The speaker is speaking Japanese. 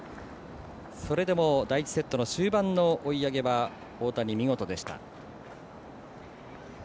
それでも、第１セットの終盤の追い上げは大谷、見事でした。